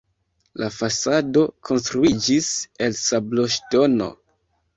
La fasado konstruiĝis el sabloŝtono.